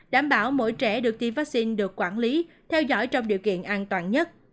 đảm bảo mỗi trẻ được tiêm vaccine được quản lý theo dõi trong điều kiện an toàn nhất